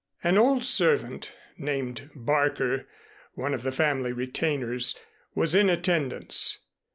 An old servant named Barker, one of the family retainers, was in attendance.